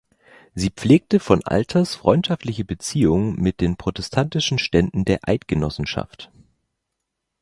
Sie pflegte von alters freundschaftliche Beziehungen mit den protestantischen Ständen der Eidgenossenschaft.